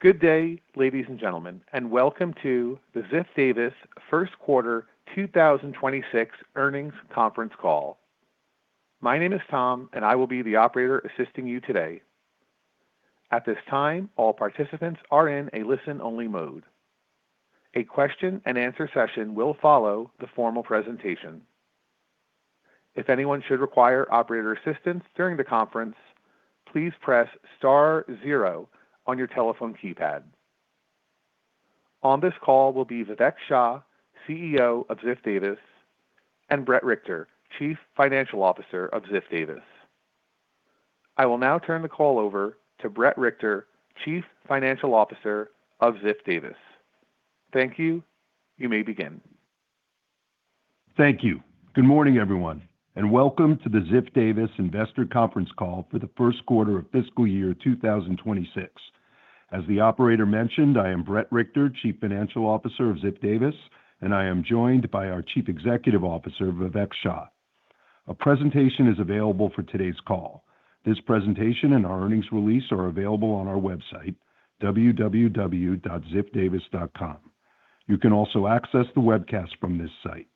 Good day, ladies and gentlemen, and welcome to the Ziff Davis first quarter 2026 earnings conference call. My name is Tom, and I will be the operator assisting you today. At this time, all participants are in a listen only mode. A question and answer session will follow the formal presentation. If anyone should require operator assistance during the conference, please press star zero on your telephone keypad. On this call will be Vivek Shah, CEO of Ziff Davis, and Bret Richter, Chief Financial Officer of Ziff Davis. I will now turn the call over to Bret Richter, Chief Financial Officer of Ziff Davis. Thank you. You may begin. Thank you. Good morning, everyone, and welcome to the Ziff Davis investor conference call for the first quarter of fiscal year 2026. As the operator mentioned, I am Bret Richter, Chief Financial Officer of Ziff Davis, and I am joined by our Chief Executive Officer, Vivek Shah. A presentation is available for today's call. This presentation and our earnings release are available on our website, www.ziffdavis.com. You can also access the webcast from this site.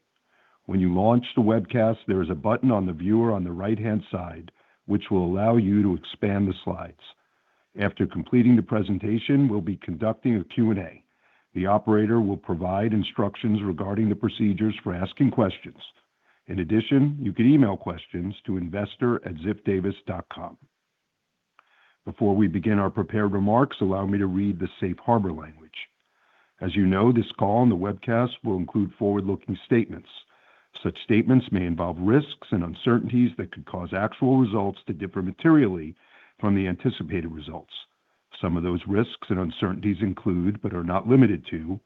When you launch the webcast, there is a button on the viewer on the right-hand side which will allow you to expand the slides. After completing the presentation, we'll be conducting a Q&A. The operator will provide instructions regarding the procedures for asking questions. In addition, you can email questions to investor@ziffdavis.com. Before we begin our prepared remarks, allow me to read the safe harbor language. As you know, this call and the webcast will include forward-looking statements. Such statements may involve risks and uncertainties that could cause actual results to differ materially from the anticipated results. Some of those risks and uncertainties include, but are not limited to,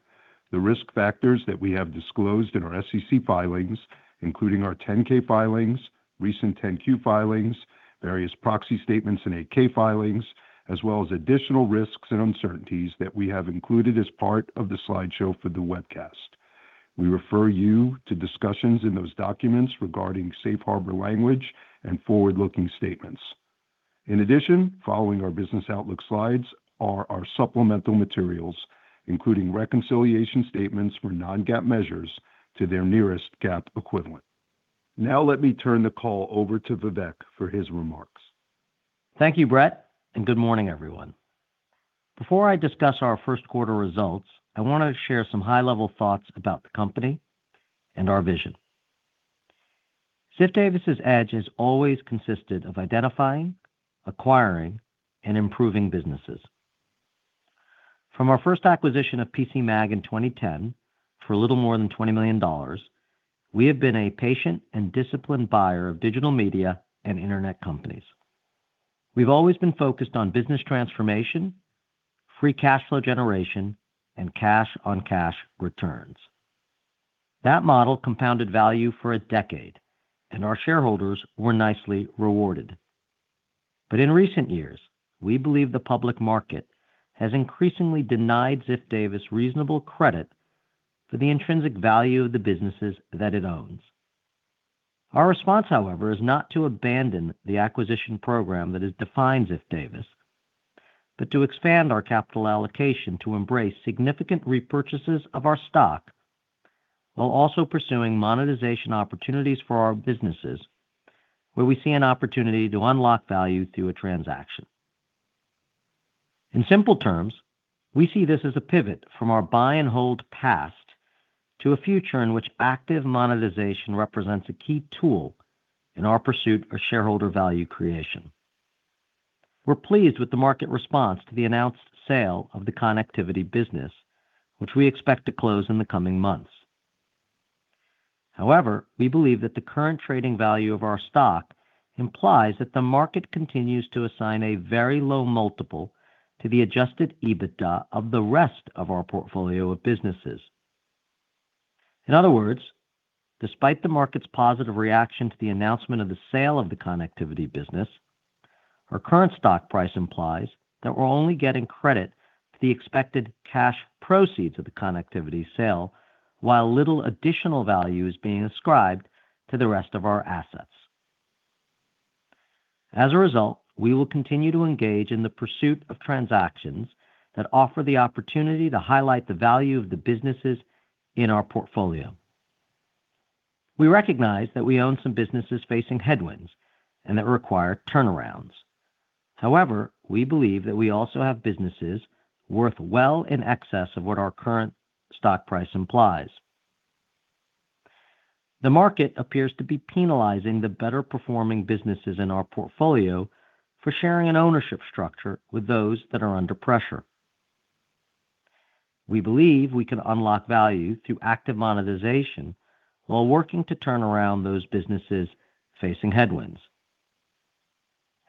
the risk factors that we have disclosed in our SEC filings, including our 10-K filings, recent 10-Q filings, various proxy statements and 8-K filings, as well as additional risks and uncertainties that we have included as part of the slideshow for the webcast. We refer you to discussions in those documents regarding safe harbor language and forward-looking statements. In addition, following our business outlook slides are our supplemental materials, including reconciliation statements for non-GAAP measures to their nearest GAAP equivalent. Now let me turn the call over to Vivek for his remarks. Thank you, Bret, good morning, everyone. Before I discuss our first quarter results, I want to share some high-level thoughts about the company and our vision. Ziff Davis's edge has always consisted of identifying, acquiring, and improving businesses. From our first acquisition of PCMag in 2010 for a little more than $20 million, we have been a patient and disciplined buyer of digital media and internet companies. We've always been focused on business transformation, free cash flow generation, and cash on cash returns. That model compounded value for a decade, and our shareholders were nicely rewarded. In recent years, we believe the public market has increasingly denied Ziff Davis reasonable credit for the intrinsic value of the businesses that it owns. Our response, however, is not to abandon the acquisition program that has defined Ziff Davis, but to expand our capital allocation to embrace significant repurchases of our stock while also pursuing monetization opportunities for our businesses where we see an opportunity to unlock value through a transaction. In simple terms, we see this as a pivot from our buy and hold past to a future in which active monetization represents a key tool in our pursuit of shareholder value creation. We're pleased with the market response to the announced sale of the connectivity business, which we expect to close in the coming months. However, we believe that the current trading value of our stock implies that the market continues to assign a very low multiple to the adjusted EBITDA of the rest of our portfolio of businesses. In other words, despite the market's positive reaction to the announcement of the sale of the connectivity business, our current stock price implies that we're only getting credit for the expected cash proceeds of the connectivity sale, while little additional value is being ascribed to the rest of our assets. As a result, we will continue to engage in the pursuit of transactions that offer the opportunity to highlight the value of the businesses in our portfolio. We recognize that we own some businesses facing headwinds and that require turnarounds. We believe that we also have businesses worth well in excess of what our current stock price implies. The market appears to be penalizing the better performing businesses in our portfolio for sharing an ownership structure with those that are under pressure. We believe we can unlock value through active monetization while working to turn around those businesses facing headwinds.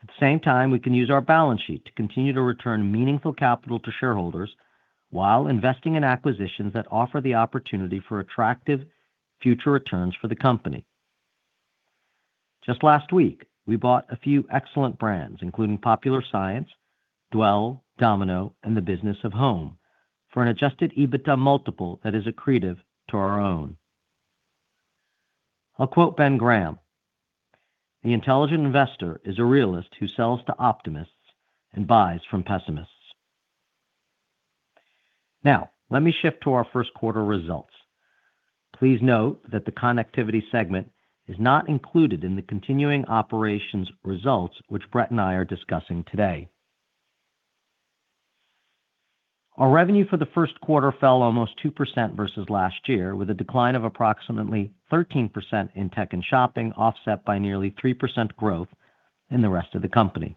At the same time, we can use our balance sheet to continue to return meaningful capital to shareholders while investing in acquisitions that offer the opportunity for attractive future returns for the company. Just last week, we bought a few excellent brands, including Popular Science, Dwell, Domino, and The Business of Home, for an adjusted EBITDA multiple that is accretive to our own. I'll quote Ben Graham. "The intelligent investor is a realist who sells to optimists and buys from pessimists." Let me shift to our first quarter results. Please note that the connectivity segment is not included in the continuing operations results which Bret and I are discussing today. Our revenue for the first quarter fell almost 2% versus last year, with a decline of approximately 13% in tech and shopping, offset by nearly 3% growth in the rest of the company.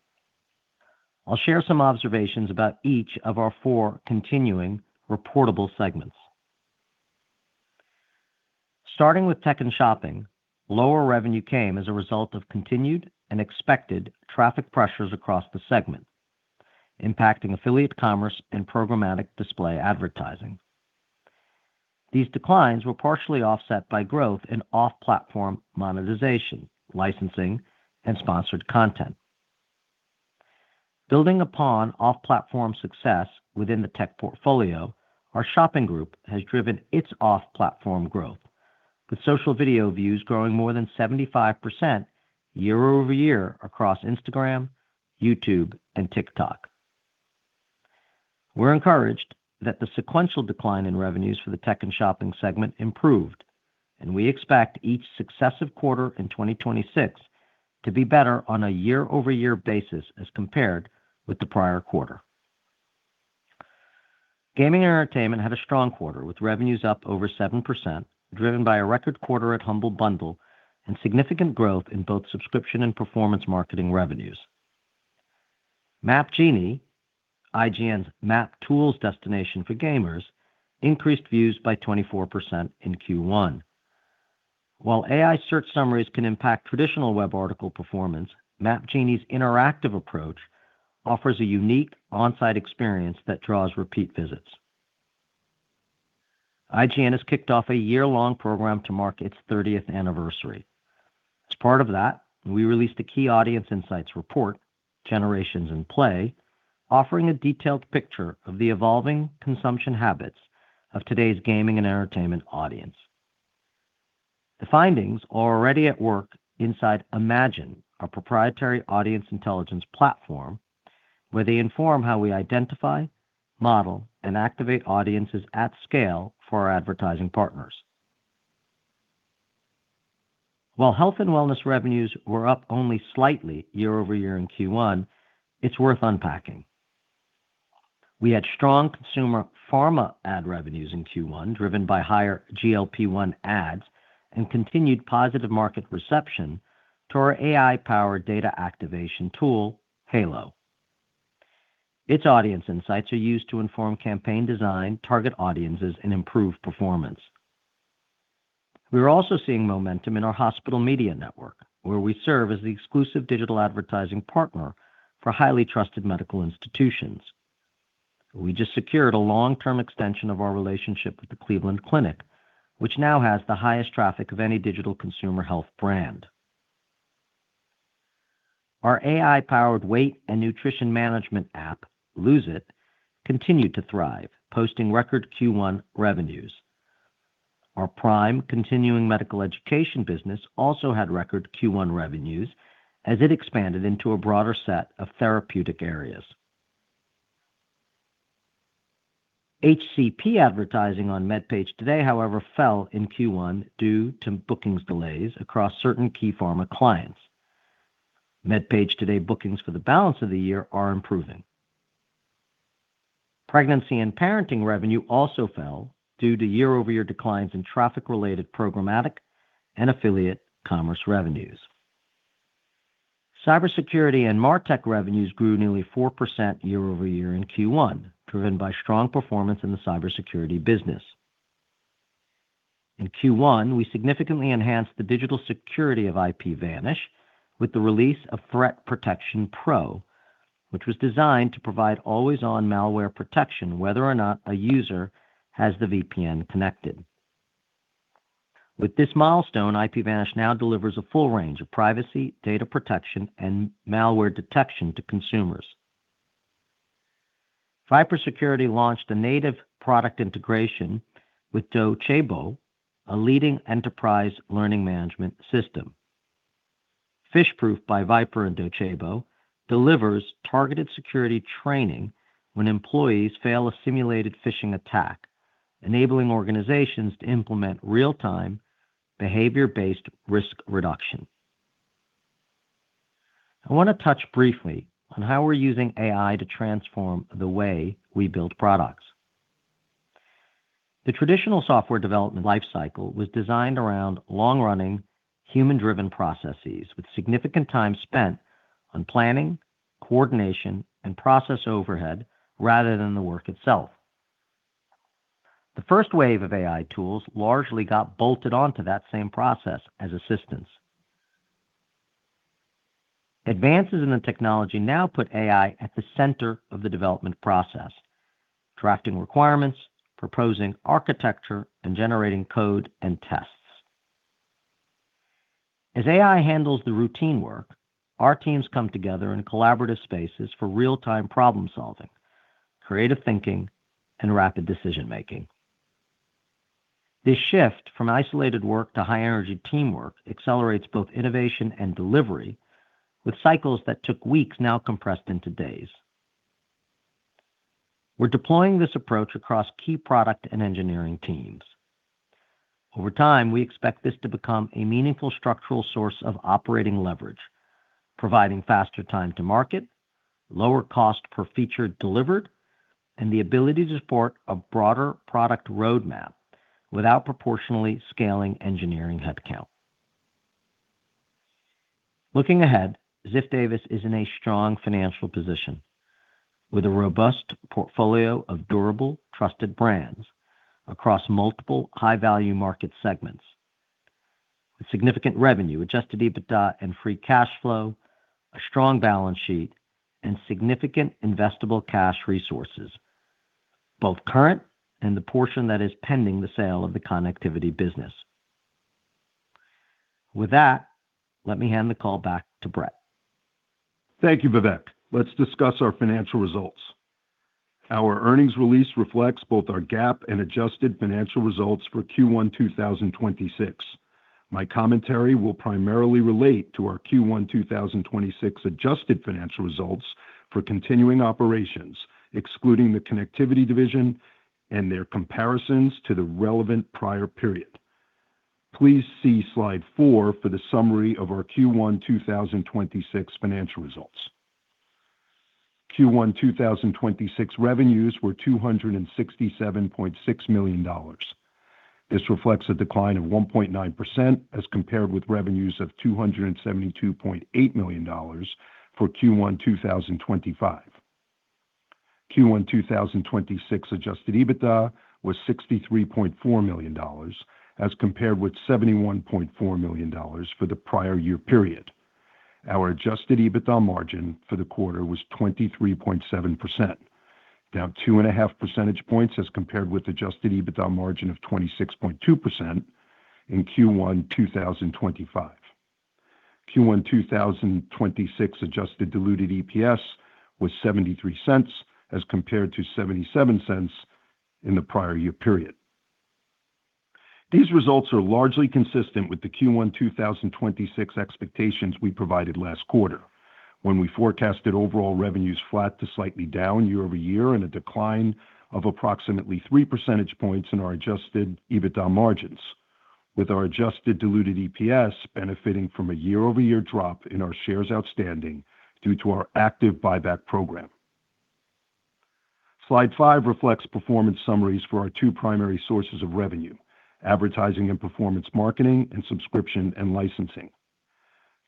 I'll share some observations about each of our four continuing reportable segments. Starting with tech and shopping, lower revenue came as a result of continued and expected traffic pressures across the segment, impacting affiliate commerce and programmatic display advertising. These declines were partially offset by growth in off-platform monetization, licensing, and sponsored content. Building upon off-platform success within the tech portfolio, our shopping group has driven its off-platform growth, with social video views growing more than 75% year-over-year across Instagram, YouTube, and TikTok. We're encouraged that the sequential decline in revenues for the tech and shopping segment improved, and we expect each successive quarter in 2026 to be better on a year-over-year basis as compared with the prior quarter. Gaming entertainment had a strong quarter, with revenues up over 7%, driven by a record quarter at Humble Bundle and significant growth in both subscription and performance marketing revenues. Map Genie, IGN's map tools destination for gamers, increased views by 24% in Q1. While AI search summaries can impact traditional web article performance, Map Genie's interactive approach offers a unique on-site experience that draws repeat visits. IGN has kicked off a year-long program to mark its 30th anniversary. As part of that, we released a key audience insights report, Generations in Play, offering a detailed picture of the evolving consumption habits of today's gaming and entertainment audience. The findings are already at work inside IMAGINE, our proprietary audience intelligence platform, where they inform how we identify, model, and activate audiences at scale for our advertising partners. While health and wellness revenues were up only slightly year-over-year in Q1, it's worth unpacking. We had strong consumer pharma ad revenues in Q1, driven by higher GLP-1 ads and continued positive market reception to our AI-powered data activation tool, Halo. Its audience insights are used to inform campaign design, target audiences, and improve performance. We are also seeing momentum in our hospital media network, where we serve as the exclusive digital advertising partner for highly trusted medical institutions. We just secured a long-term extension of our relationship with the Cleveland Clinic, which now has the highest traffic of any digital consumer health brand. Our AI-powered weight and nutrition management app, Lose It!, continued to thrive, posting record Q1 revenues. Our PRIME continuing medical education business also had record Q1 revenues as it expanded into a broader set of therapeutic areas. HCP advertising on MedPage Today, however, fell in Q1 due to bookings delays across certain key pharma clients. MedPage Today bookings for the balance of the year are improving. Pregnancy and parenting revenue also fell due to year-over-year declines in traffic-related programmatic and affiliate commerce revenues. Cybersecurity and MarTech revenues grew nearly 4% year-over-year in Q1, driven by strong performance in the cybersecurity business. In Q1, we significantly enhanced the digital security of IPVanish with the release of Threat Protection Pro, which was designed to provide always-on malware protection whether or not a user has the VPN connected. With this milestone, IPVanish now delivers a full range of privacy, data protection, and malware detection to consumers. VIPRE Security launched a native product integration with Docebo, a leading enterprise learning management system. PhishProof by VIPRE and Docebo delivers targeted security training when employees fail a simulated phishing attack, enabling organizations to implement real-time, behavior-based risk reduction. I want to touch briefly on how we're using AI to transform the way we build products. The traditional software development life cycle was designed around long-running, human-driven processes with significant time spent on planning, coordination, and process overhead rather than the work itself. The first wave of AI tools largely got bolted onto that same process as assistants. Advances in the technology now put AI at the center of the development process, drafting requirements, proposing architecture, and generating code and tests. As AI handles the routine work, our teams come together in collaborative spaces for real-time problem-solving, creative thinking, and rapid decision-making. This shift from isolated work to high-energy teamwork accelerates both innovation and delivery, with cycles that took weeks now compressed into days. We're deploying this approach across key product and engineering teams. Over time, we expect this to become a meaningful structural source of operating leverage, providing faster time to market, lower cost per feature delivered, and the ability to support a broader product roadmap without proportionally scaling engineering headcount. Looking ahead, Ziff Davis is in a strong financial position with a robust portfolio of durable, trusted brands across multiple high-value market segments with significant revenue, adjusted EBITDA and free cash flow, a strong balance sheet, and significant investable cash resources, both current and the portion that is pending the sale of the connectivity business. With that, let me hand the call back to Bret. Thank you, Vivek. Let's discuss our financial results. Our earnings release reflects both our GAAP and adjusted financial results for Q1 2026. My commentary will primarily relate to our Q1 2026 adjusted financial results for continuing operations, excluding the connectivity division and their comparisons to the relevant prior period. Please see slide four for the summary of our Q1 2026 financial results. Q1 2026 revenues were $267.6 million. This reflects a decline of 1.9% as compared with revenues of $272.8 million for Q1 2025. Q1 2026 adjusted EBITDA was $63.4 million, as compared with $71.4 million for the prior year period. Our adjusted EBITDA margin for the quarter was 23.7%, down 2.5 percentage points as compared with adjusted EBITDA margin of 26.2% in Q1 2025. Q1 2026 adjusted diluted EPS was $0.73 as compared to $0.77 in the prior year period. These results are largely consistent with the Q1 2026 expectations we provided last quarter when we forecasted overall revenues flat to slightly down year-over-year and a decline of approximately 3 percentage points in our adjusted EBITDA margins, with our adjusted diluted EPS benefiting from a year-over-year drop in our shares outstanding due to our active buyback program. Slide five reflects performance summaries for our two primary sources of revenue, advertising and performance marketing and subscription and licensing.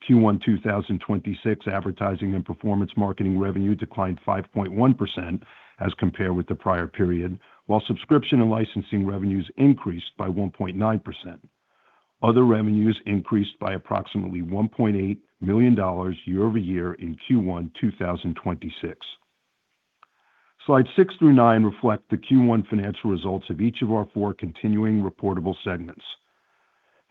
Q1 2026 advertising and performance marketing revenue declined 5.1% as compared with the prior period, while subscription and licensing revenues increased by 1.9%. Other revenues increased by approximately $1.8 million year-over-year in Q1 2026. Slides six through nine reflect the Q1 financial results of each of our four continuing reportable segments.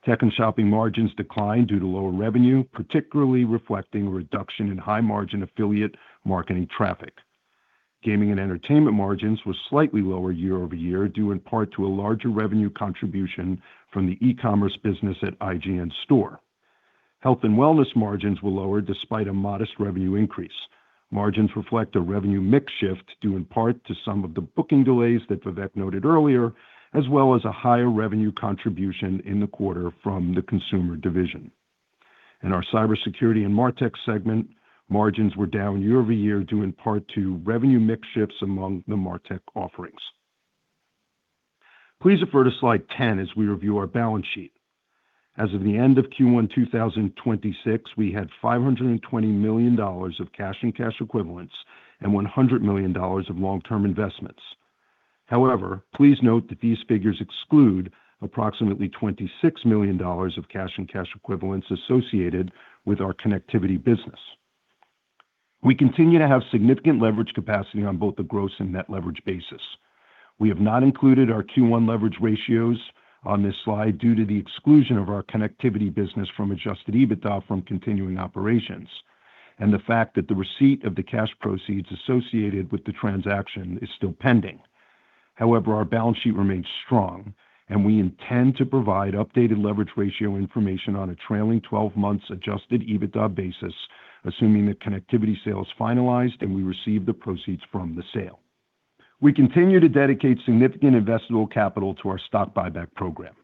Tech and shopping margins declined due to lower revenue, particularly reflecting a reduction in high-margin affiliate marketing traffic. Gaming and entertainment margins were slightly lower year-over-year due in part to a larger revenue contribution from the e-commerce business at IGN Store. Health and wellness margins were lower despite a modest revenue increase. Margins reflect a revenue mix shift due in part to some of the booking delays that Vivek noted earlier, as well as a higher revenue contribution in the quarter from the Consumer Division. In our Cybersecurity and MarTech Segment, margins were down year-over-year due in part to revenue mix shifts among the MarTech offerings. Please refer to slide 10 as we review our balance sheet. As of the end of Q1 2026, we had $520 million of cash and cash equivalents and $100 million of long-term investments. However, please note that these figures exclude approximately $26 million of cash and cash equivalents associated with our connectivity business. We continue to have significant leverage capacity on both the gross and net leverage basis. We have not included our Q1 leverage ratios on this slide due to the exclusion of our connectivity business from adjusted EBITDA from continuing operations and the fact that the receipt of the cash proceeds associated with the transaction is still pending. Our balance sheet remains strong, and we intend to provide updated leverage ratio information on a trailing 12 months adjusted EBITDA basis, assuming the connectivity sale is finalized and we receive the proceeds from the sale. We continue to dedicate significant investable capital to our stock buyback program.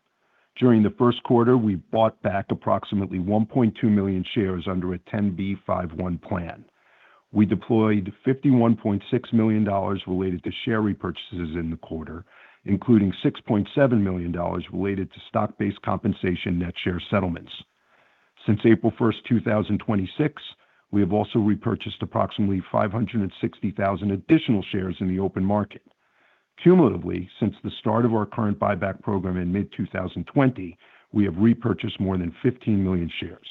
During the first quarter, we bought back approximately 1.2 million shares under a 10b5-1 plan. We deployed $51.6 million related to share repurchases in the quarter, including $6.7 million related to stock-based compensation net share settlements. Since April 1st, 2026, we have also repurchased approximately 560,000 additional shares in the open market. Cumulatively, since the start of our current buyback program in mid-2020, we have repurchased more than 15 million shares.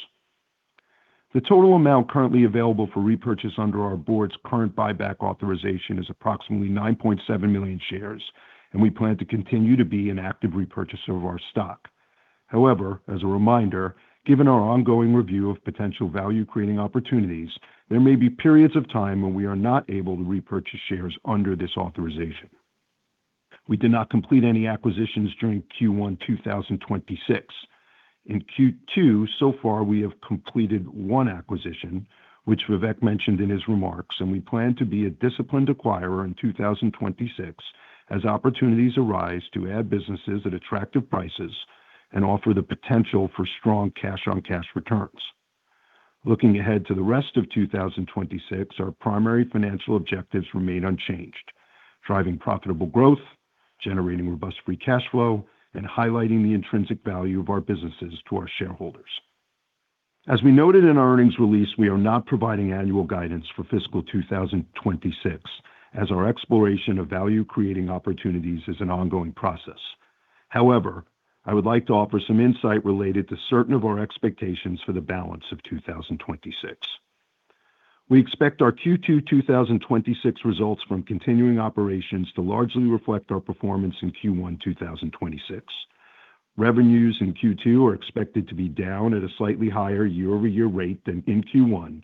The total amount currently available for repurchase under our board's current buyback authorization is approximately 9.7 million shares, and we plan to continue to be an active repurchaser of our stock. As a reminder, given our ongoing review of potential value-creating opportunities, there may be periods of time when we are not able to repurchase shares under this authorization. We did not complete any acquisitions during Q1 2026. In Q2, so far we have completed one acquisition, which Vivek mentioned in his remarks, and we plan to be a disciplined acquirer in 2026 as opportunities arise to add businesses at attractive prices and offer the potential for strong cash-on-cash returns. Looking ahead to the rest of 2026, our primary financial objectives remain unchanged, driving profitable growth, generating robust free cash flow, and highlighting the intrinsic value of our businesses to our shareholders. As we noted in our earnings release, we are not providing annual guidance for fiscal 2026, as our exploration of value-creating opportunities is an ongoing process. However, I would like to offer some insight related to certain of our expectations for the balance of 2026. We expect our Q2 2026 results from continuing operations to largely reflect our performance in Q1 2026. Revenues in Q2 are expected to be down at a slightly higher year-over-year rate than in Q1.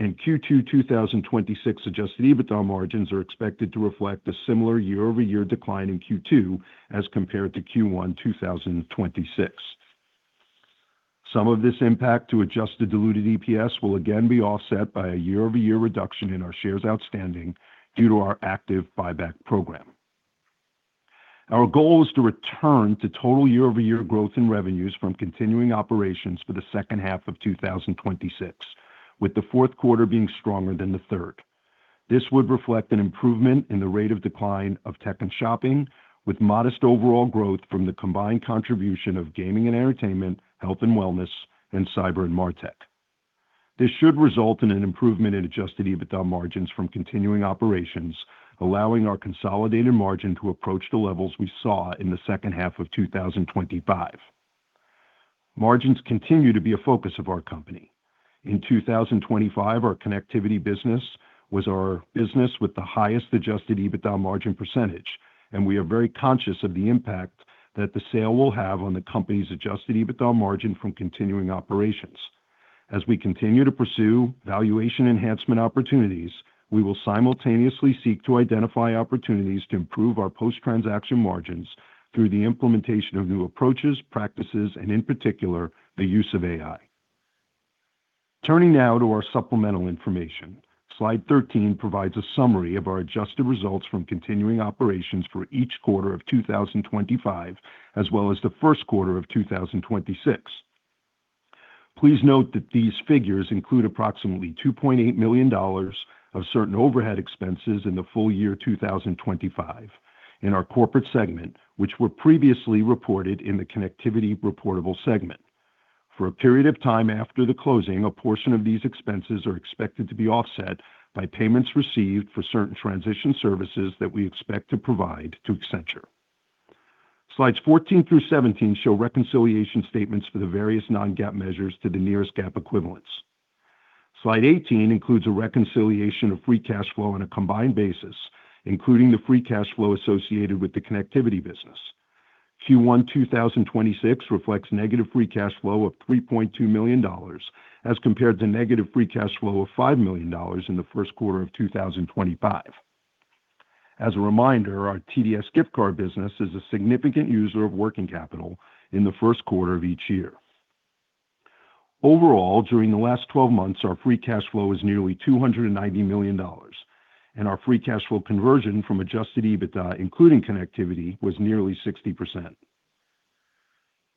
Q2 2026 adjusted EBITDA margins are expected to reflect a similar year-over-year decline in Q2 as compared to Q1 2026. Some of this impact to adjusted diluted EPS will again be offset by a year-over-year reduction in our shares outstanding due to our active buyback program. Our goal is to return to total year-over-year growth in revenues from continuing operations for the second half of 2026, with the fourth quarter being stronger than the third. This would reflect an improvement in the rate of decline of tech and shopping, with modest overall growth from the combined contribution of Gaming and Entertainment, Health and Wellness, and cyber and MarTech. This should result in an improvement in adjusted EBITDA margins from continuing operations, allowing our consolidated margin to approach the levels we saw in the second half of 2025. Margins continue to be a focus of our company. In 2025, our connectivity business was our business with the highest adjusted EBITDA margin percentage, and we are very conscious of the impact that the sale will have on the company's adjusted EBITDA margin from continuing operations. As we continue to pursue valuation enhancement opportunities, we will simultaneously seek to identify opportunities to improve our post-transaction margins through the implementation of new approaches, practices, and in particular, the use of AI. Turning now to our supplemental information. Slide 13 provides a summary of our adjusted results from continuing operations for each quarter of 2025, as well as the first quarter of 2026. Please note that these figures include approximately $2.8 million of certain overhead expenses in the full year 2025 in our corporate segment, which were previously reported in the connectivity reportable segment. For a period of time after the closing, a portion of these expenses are expected to be offset by payments received for certain transition services that we expect to provide to Accenture. Slides 14 through 17 show reconciliation statements for the various non-GAAP measures to the nearest GAAP equivalents. Slide 18 includes a reconciliation of free cash flow on a combined basis, including the free cash flow associated with the connectivity business. Q1 2026 reflects negative free cash flow of $3.2 million as compared to negative free cash flow of $5 million in the first quarter of 2025. As a reminder, our TDS Gift Cards business is a significant user of working capital in the first quarter of each year. Overall, during the last 12 months, our free cash flow was nearly $290 million, and our free cash flow conversion from adjusted EBITDA, including connectivity, was nearly 60%.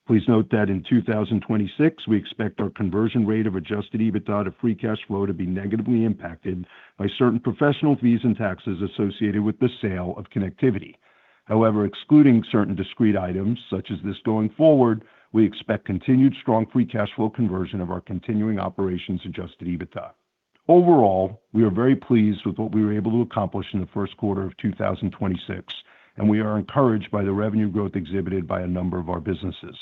Please note that in 2026, we expect our conversion rate of adjusted EBITDA to free cash flow to be negatively impacted by certain professional fees and taxes associated with the sale of connectivity. However, excluding certain discrete items such as this going forward, we expect continued strong free cash flow conversion of our continuing operations adjusted EBITDA. Overall, we are very pleased with what we were able to accomplish in the first quarter of 2026, and we are encouraged by the revenue growth exhibited by a number of our businesses.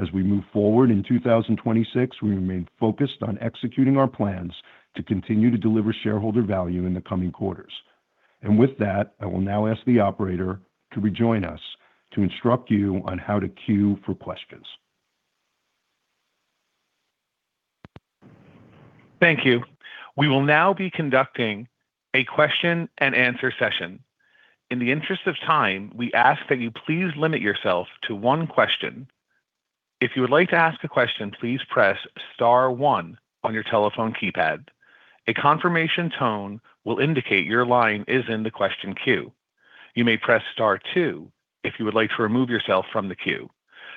As we move forward in 2026, we remain focused on executing our plans to continue to deliver shareholder value in the coming quarters. With that, I will now ask the operator to rejoin us to instruct you on how to queue for questions.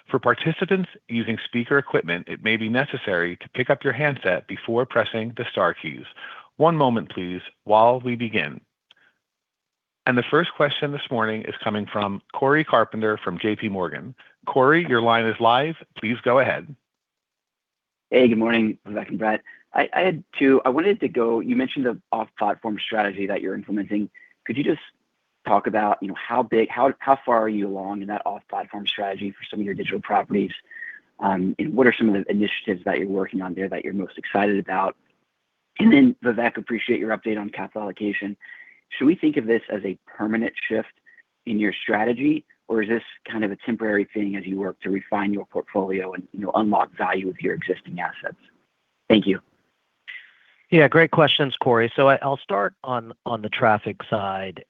The first question this morning is coming from Cory Carpenter from JPMorgan. Cory, your line is live. Please go ahead. Hey, good morning, Vivek and Bret. I had two. You mentioned the off-platform strategy that you're implementing. Could you just talk about, you know, how far are you along in that off-platform strategy for some of your digital properties? What are some of the initiatives that you're working on there that you're most excited about? Vivek, appreciate your update on capital allocation. Should we think of this as a permanent shift in your strategy, or is this kind of a temporary thing as you work to refine your portfolio and, you know, unlock value of your existing assets? Thank you. Yeah, great questions, Cory. I'll start on the traffic side.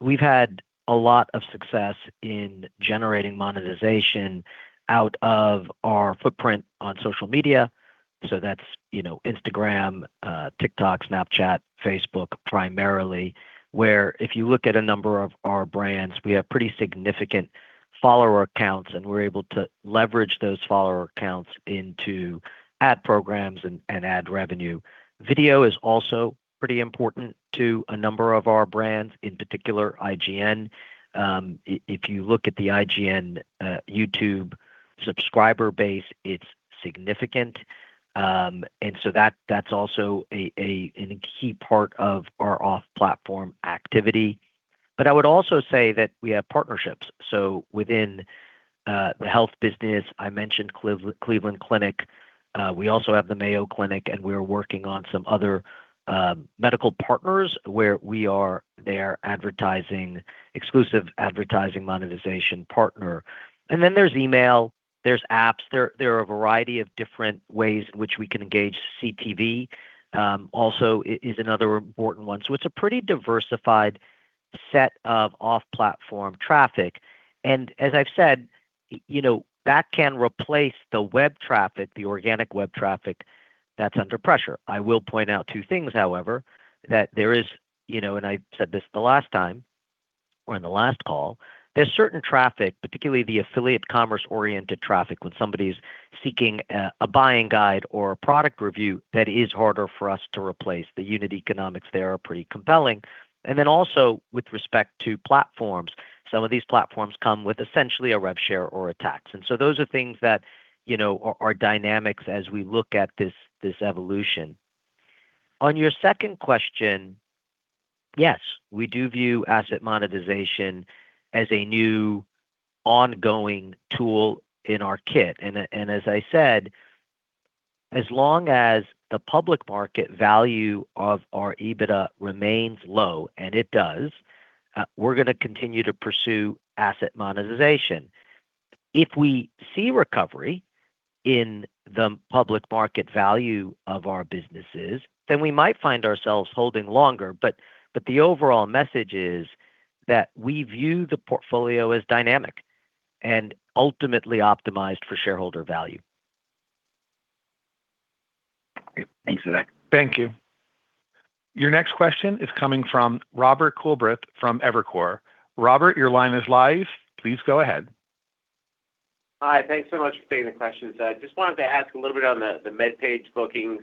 We've had a lot of success in generating monetization out of our footprint on social media, so that's, you know, Instagram, TikTok, Snapchat, Facebook primarily, where if you look at a number of our brands, we have pretty significant follower counts, and we're able to leverage those follower counts into ad programs and ad revenue. Video is also pretty important to a number of our brands, in particular IGN. If you look at the IGN YouTube subscriber base, it's significant. That's also a key part of our off-platform activity. I would also say that we have partnerships. Within the health business, I mentioned Cleveland Clinic. We also have the Mayo Clinic, we're working on some other medical partners where we are their advertising, exclusive advertising monetization partner. There's email, there's apps. There are a variety of different ways in which we can engage. CTV also is another important one. It's a pretty diversified set of off-platform traffic. As I've said, you know, that can replace the web traffic, the organic web traffic that's under pressure. I will point out two things, however, that there is, you know, I said this the last time or in the last call, there's certain traffic, particularly the affiliate commerce-oriented traffic, when somebody's seeking a buying guide or a product review that is harder for us to replace. The unit economics there are pretty compelling. Also with respect to platforms, some of these platforms come with essentially a rev share or a tax. Those are things that, you know, are dynamics as we look at this evolution. On your second question, yes, we do view asset monetization as a new ongoing tool in our kit. As I said, as long as the public market value of our EBITDA remains low, and it does, we're gonna continue to pursue asset monetization. If we see recovery in the public market value of our businesses, then we might find ourselves holding longer. The overall message is that we view the portfolio as dynamic and ultimately optimized for shareholder value. Great. Thanks, Vivek. Thank you. Your next question is coming from Robert Coolbrith from Evercore. Robert, your line is live. Please go ahead. Hi. Thanks so much for taking the questions. I just wanted to ask a little bit on the MedPage bookings.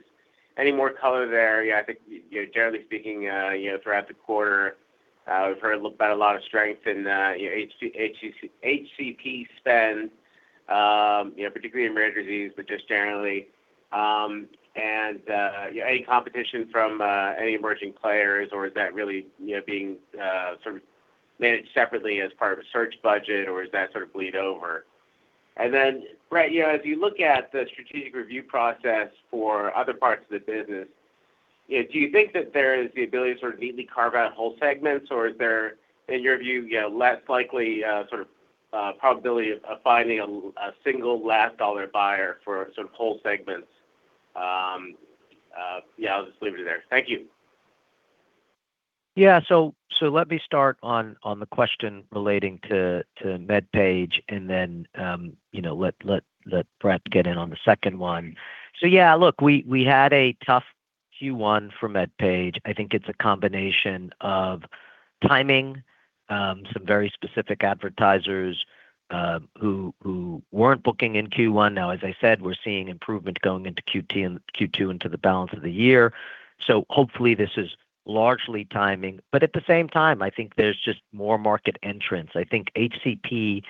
Any more color there? Yeah, I think, you know, generally speaking, you know, throughout the quarter, we've heard about a lot of strength in, you know, HCP spend, particularly in rare disease, but just generally. Any competition from any emerging players, or is that really, you know, being sort of managed separately as part of a search budget, or does that sort of bleed over? Bret, you know, as you look at the strategic review process for other parts of the business, you know, do you think that there is the ability to sort of neatly carve out whole segments, or is there, in your view, you know, less likely sort of probability of finding a single last dollar buyer for sort of whole segments? Yeah, I'll just leave it there. Thank you. Let me start on the question relating to MedPage and then, you know, let Bret get in on the second one. We had a tough Q1 for MedPage. I think it's a combination of timing, some very specific advertisers who weren't booking in Q1. As I said, we're seeing improvement going into Q2 into the balance of the year, hopefully this is largely timing. At the same time, I think there's just more market entrants. I think HCP,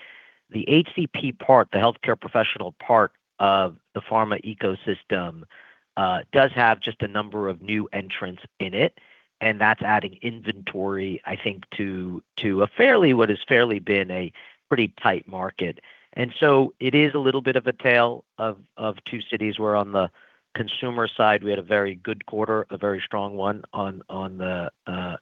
the HCP part, the healthcare professional part of the pharma ecosystem, does have just a number of new entrants in it, and that's adding inventory, I think, to what has fairly been a pretty tight market. It is a little bit of a tale of two cities, where on the consumer side we had a very good quarter, a very strong one on the,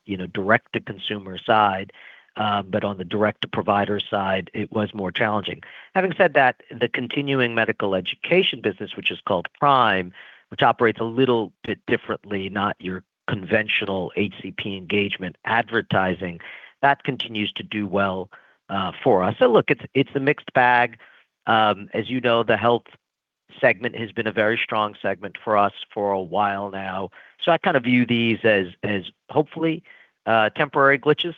you know, direct-to-consumer side. On the direct-to-provider side, it was more challenging. Having said that, the continuing medical education business, which is called Prime, which operates a little bit differently, not your conventional HCP engagement advertising, that continues to do well for us. Look, it's a mixed bag. As you know, the health segment has been a very strong segment for us for a while now. I kind of view these as hopefully temporary glitches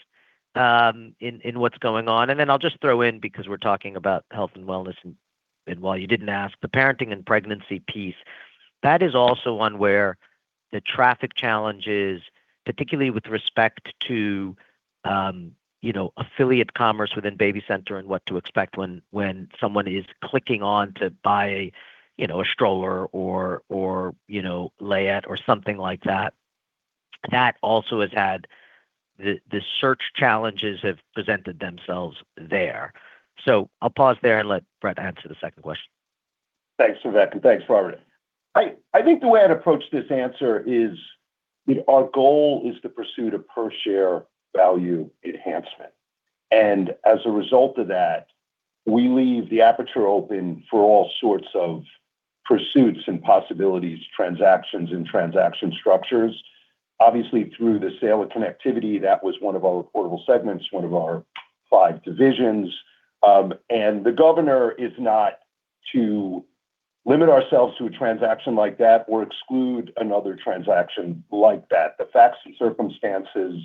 in what's going on. Then I'll just throw in, because we're talking about health and wellness and, while you didn't ask, the parenting and pregnancy piece, that is also one where the traffic challenges, particularly with respect to, you know, affiliate commerce within BabyCenter and What to Expect when someone is clicking on to buy, you know, a stroller or, you know, layette or something like that also has had the search challenges have presented themselves there. I'll pause there and let Bret answer the second question. Thanks, Vivek, and thanks, Robert. I think the way I'd approach this answer is our goal is to pursue the per share value enhancement. As a result of that, we leave the aperture open for all sorts of pursuits and possibilities, transactions and transaction structures. Obviously, through the sale of connectivity, that was one of our reportable segments, one of our five divisions. The governor is not to limit ourselves to a transaction like that or exclude another transaction like that. The facts and circumstances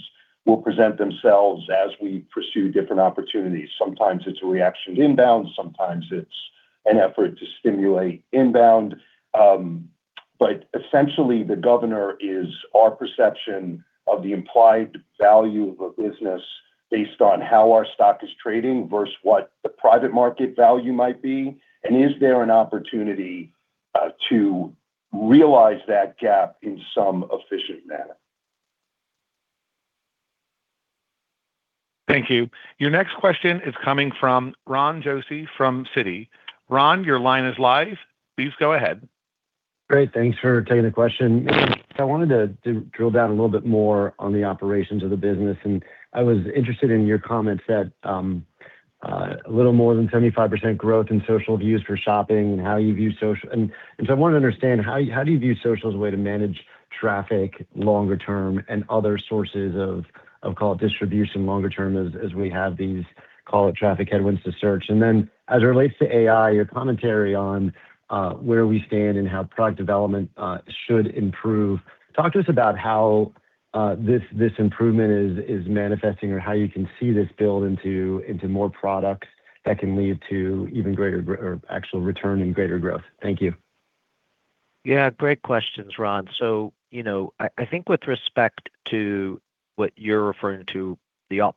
will present themselves as we pursue different opportunities. Sometimes it's a reaction to inbound, sometimes it's an effort to stimulate inbound. Essentially, the governor is our perception of the implied value of a business based on how our stock is trading versus what the private market value might be, and is there an opportunity to realize that gap in some efficient manner? Thank you. Your next question is coming from Ron Josey from Citi. Ron, your line is live. Please go ahead. Great. Thanks for taking the question. I wanted to drill down a little bit more on the operations of the business, and I was interested in your comment that a little more than 75% growth in social views for shopping and how you view social. So I want to understand how do you view social as a way to manage traffic longer term and other sources of call it distribution longer term as we have these call it traffic headwinds to search? Then as it relates to AI, your commentary on where we stand and how product development should improve. Talk to us about how this improvement is manifesting or how you can see this build into more products that can lead to even greater or actual return and greater growth. Thank you. Yeah, great questions, Ron. You know, I think with respect to what you're referring to, the off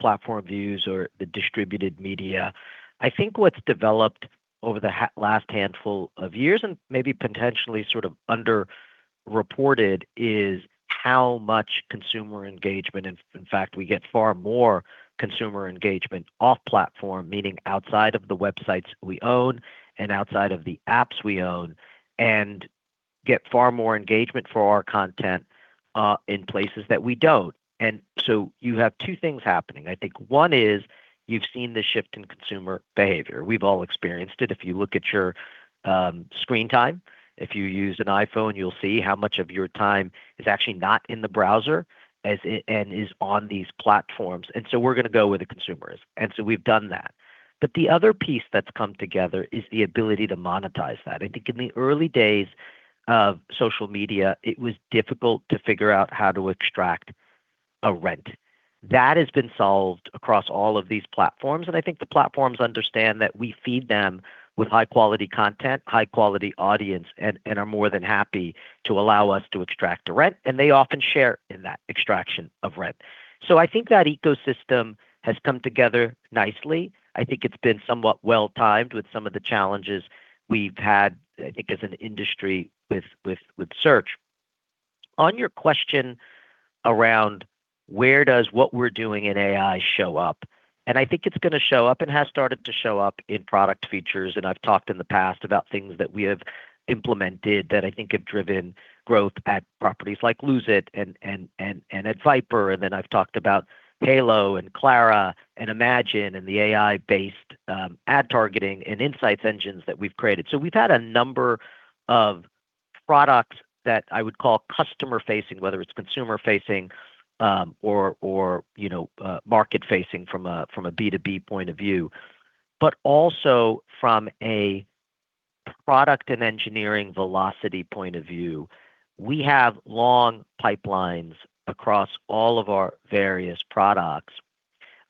platform views or the distributed media, I think what's developed over the last handful of years and maybe potentially sort of underreported is how much consumer engagement, in fact, we get far more consumer engagement off platform, meaning outside of the websites we own and outside of the apps we own, and get far more engagement for our content in places that we don't. You have two things happening. I think 1 is you've seen the shift in consumer behavior. We've all experienced it. If you look at your screen time, if you use an iPhone, you'll see how much of your time is actually not in the browser and is on these platforms. We're gonna go where the consumer is, and so we've done that. The other piece that's come together is the ability to monetize that. I think in the early days of social media, it was difficult to figure out how to extract a rent. That has been solved across all of these platforms, and I think the platforms understand that we feed them with high-quality content, high-quality audience, and are more than happy to allow us to extract the rent, and they often share in that extraction of rent. I think that ecosystem has come together nicely. I think it's been somewhat well-timed with some of the challenges we've had, I think, as an industry with search. On your question around where does what we're doing in AI show up, I think it's gonna show up and has started to show up in product features. I've talked in the past about things that we have implemented that I think have driven growth at properties like Lose It! and at VIPRE. Then I've talked about Halo and Clara and IMAGINE and the AI-based ad targeting and insights engines that we've created. We've had a number of products that I would call customer-facing, whether it's consumer-facing, or, you know, market-facing from a B2B point of view. Also from a product and engineering velocity point of view, we have long pipelines across all of our various products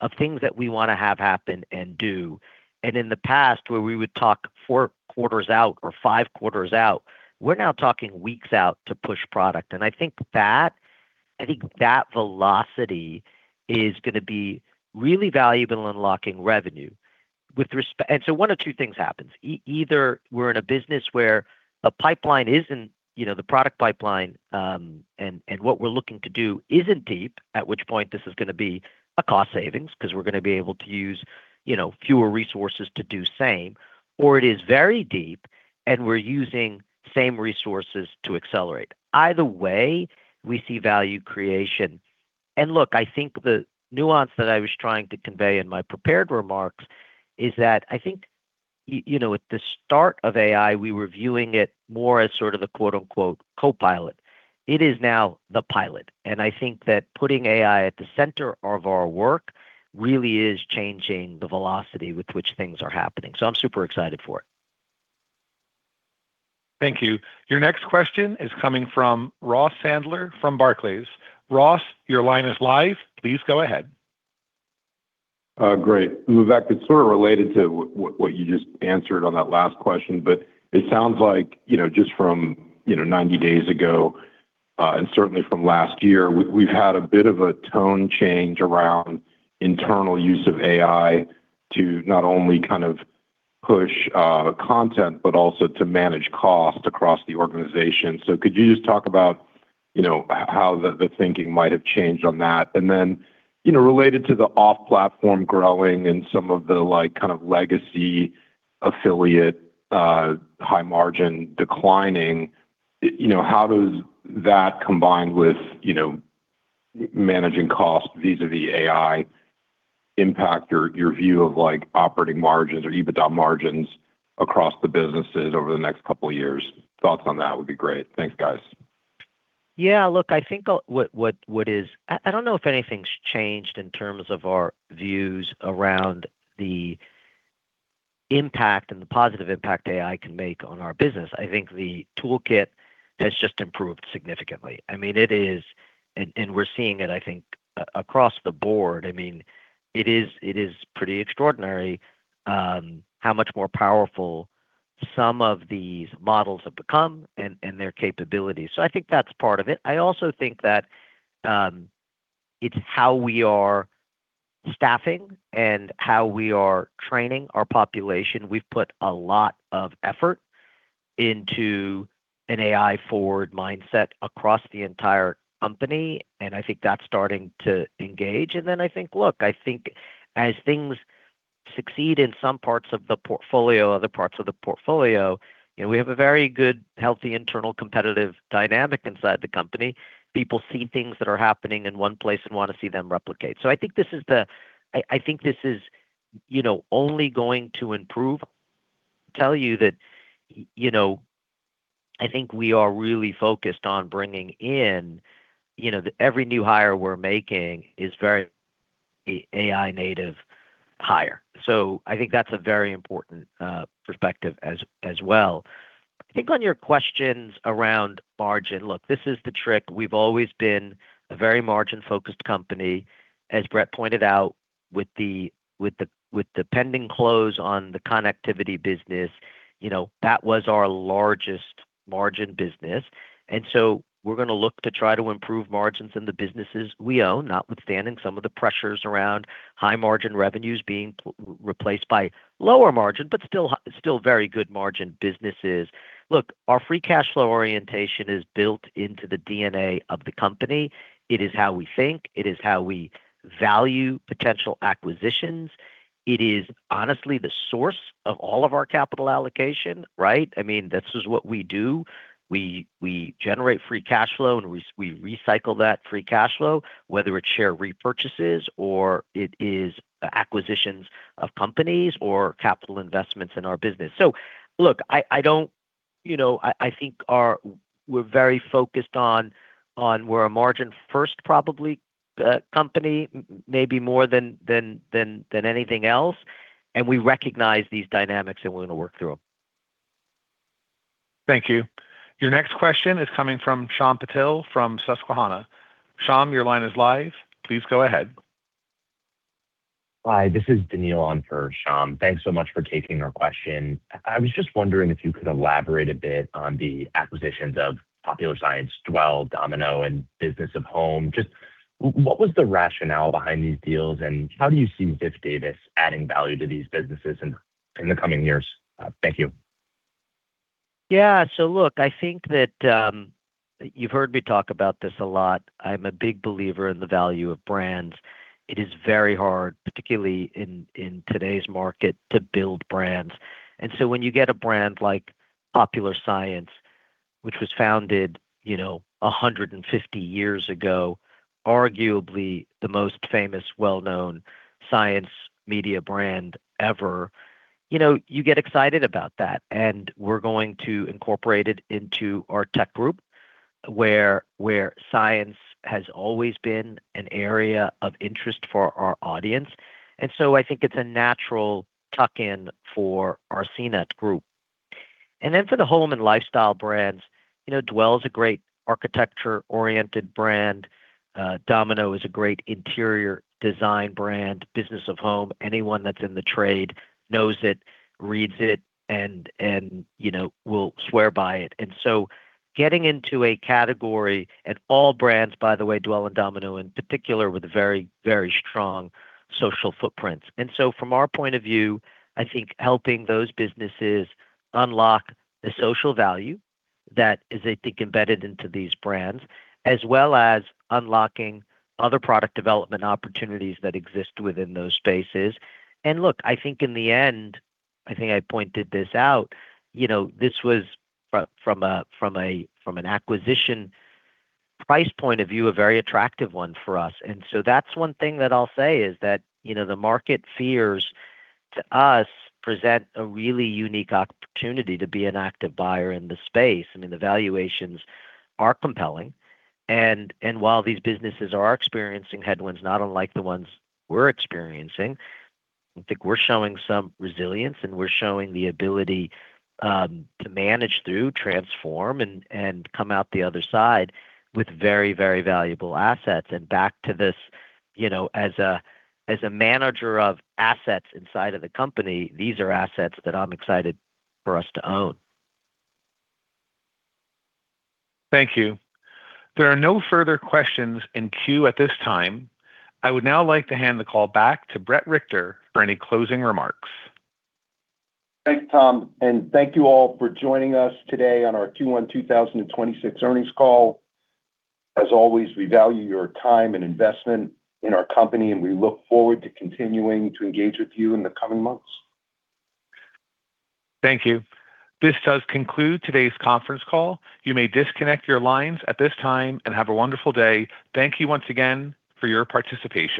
of things that we wanna have happen and do. In the past, where we would talk four quarters out or five quarters out, we're now talking weeks out to push product. I think that velocity is gonna be really valuable in unlocking revenue. One of two things happens. Either we're in a business where a pipeline isn't, you know, the product pipeline, and what we're looking to do isn't deep, at which point this is gonna be a cost savings because we're gonna be able to use, you know, fewer resources to do same, or it is very deep, and we're using same resources to accelerate. Either way, we see value creation. Look, I think the nuance that I was trying to convey in my prepared remarks is that I think, you know, at the start of AI, we were viewing it more as sort of the quote-unquote copilot. It is now the pilot, and I think that putting AI at the center of our work really is changing the velocity with which things are happening. I'm super excited for it. Thank you. Your next question is coming from Ross Sandler from Barclays. Ross, your line is live. Please go ahead. Great. Vivek, it's sort of related to what you just answered on that last question, but it sounds like, you know, just from, you know, 90 days ago, and certainly from last year, we've had a bit of a tone change around internal use of AI to not only kind of push content, but also to manage costs across the organization. Could you just talk about, you know, how the thinking might have changed on that? Related to the off-platform growing and some of the, like, kind of legacy affiliate, high margin declining, you know, how does that combined with, you know, managing costs vis-a-vis AI impact your view of like operating margins or EBITDA margins across the businesses over the next couple years? Thoughts on that would be great. Thanks, guys. Yeah. Look, I think what is I don't know if anything's changed in terms of our views around the impact and the positive impact AI can make on our business. I think the toolkit has just improved significantly. I mean, it is, and we're seeing it, I think across the board. I mean, it is pretty extraordinary how much more powerful some of these models have become and their capabilities. I think that's part of it. I also think that it's how we are staffing and how we are training our population. We've put a lot of effort into an AI-forward mindset across the entire company, and I think that's starting to engage. I think, look, as things succeed in some parts of the portfolio, other parts of the portfolio, you know, we have a very good healthy internal competitive dynamic inside the company. People see things that are happening in one place and wanna see them replicate. I think this is, you know, only going to improve. Tell you that, you know, I think we are really focused on bringing in, you know, every new hire we're making is very AI native hire. I think that's a very important perspective as well. I think on your questions around margin, look, this is the trick. We've always been a very margin-focused company. As Bret pointed out with the pending close on the connectivity business, you know, that was our largest margin business. We're gonna look to try to improve margins in the businesses we own, notwithstanding some of the pressures around high margin revenues being replaced by lower margin, but still very good margin businesses. Our free cash flow orientation is built into the DNA of the company. It is how we think. It is how we value potential acquisitions. It is honestly the source of all of our capital allocation, right? I mean, this is what we do. We generate free cash flow, and we recycle that free cash flow, whether it's share repurchases or it is acquisitions of companies or capital investments in our business. Look, I don't, you know, I think we're very focused on we're a margin first probably, company maybe more than anything else, and we recognize these dynamics, and we're gonna work through them. Thank you. Your next question is coming from Shyam Patil from Susquehanna. Shyam, your line is live. Please go ahead. Hi, this is Daniil on for Shyam. Thanks so much for taking our question. I was just wondering if you could elaborate a bit on the acquisitions of Popular Science, Dwell, Domino, and Business of Home. Just what was the rationale behind these deals, and how do you see Ziff Davis adding value to these businesses in the coming years? Thank you. Yeah. Look, I think that you've heard me talk about this a lot. I'm a big believer in the value of brands. It is very hard, particularly in today's market, to build brands. When you get a brand like Popular Science, which was founded, you know, 150 years ago, arguably the most famous well-known science media brand ever, you know, you get excited about that. We're going to incorporate it into our tech group where science has always been an area of interest for our audience. I think it's a natural tuck in for our CNET group. For the home and lifestyle brands, you know, Dwell is a great architecture-oriented brand. Domino is a great interior design brand. Business of Home, anyone that's in the trade knows it, reads it, and, you know, will swear by it. Getting into a category and all brands, by the way, Dwell and Domino in particular, with very strong social footprints. From our point of view, I think helping those businesses unlock the social value that is, I think, embedded into these brands, as well as unlocking other product development opportunities that exist within those spaces. Look, I think in the end, I think I pointed this out, you know, this was from an acquisition price point of view, a very attractive one for us. That's one thing that I'll say is that, you know, the market fears to us present a really unique opportunity to be an active buyer in the space. I mean, the valuations are compelling. While these businesses are experiencing headwinds, not unlike the ones we're experiencing, I think we're showing some resilience, and we're showing the ability to manage through, transform, and come out the other side with very, very valuable assets. Back to this, you know, as a manager of assets inside of the company, these are assets that I'm excited for us to own. Thank you. There are no further questions in queue at this time. I would now like to hand the call back to Bret Richter for any closing remarks. Thanks, Tom. Thank you all for joining us today on our Q1 2026 earnings call. As always, we value your time and investment in our company. We look forward to continuing to engage with you in the coming months. Thank you. This does conclude today's conference call. You may disconnect your lines at this time, and have a wonderful day. Thank you once again for your participation.